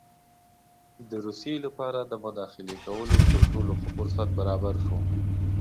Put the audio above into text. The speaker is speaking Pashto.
د روسیې لپاره د مداخلې کولو تر ټولو ښه فرصت برابر شو.